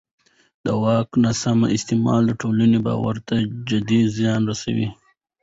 د واک ناسم استعمال ټولنیز باور ته جدي زیان رسوي